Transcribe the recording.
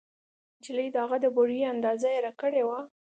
نجلۍ د هغه د بورې اندازه هېره کړې وه